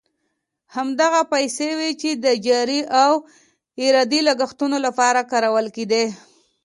همدغه پیسې وې چې د جاري او اداري لګښتونو لپاره کارول کېدې.